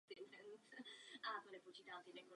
Děj se soustředí na podobnosti mezi Julií a Julií.